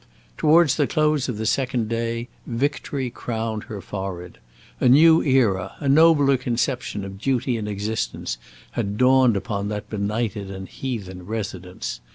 Towards the close of the second day, victory crowned her forehead. A new era, a nobler conception of duty and existence, had dawned upon that benighted and heathen residence.